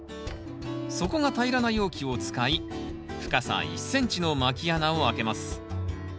底が平らな容器を使い深さ１ｃｍのまき穴を開けます。